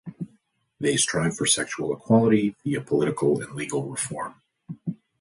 They strive for sexual equality via political and legal reform.